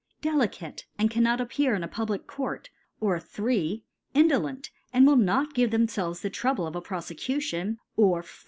Delicace, and cannot appear in a pub lic Court ; or, 3. Indolent, and will not give them felves the Trouble of a Profecution ; or, 4.